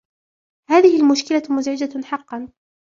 هذه المشكلة مزعجة حقًّا.